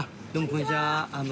こんにちは。